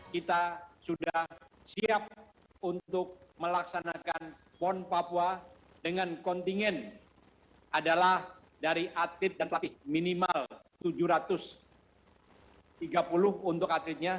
kita sudah siap untuk melaksanakan pon papua dengan kontingen adalah dari atlet dan pelatih minimal tujuh ratus tiga puluh untuk atletnya